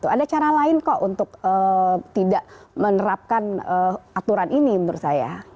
ada cara lain kok untuk tidak menerapkan aturan ini menurut saya